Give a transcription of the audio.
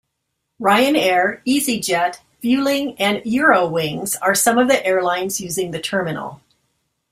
Ryanair, Easyjet, Vueling and Eurowings are some of the airlines using the terminal.